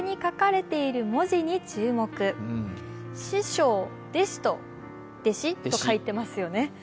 師匠、弟子と書いてますよね。